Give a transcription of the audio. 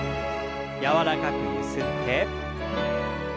柔らかくゆすって。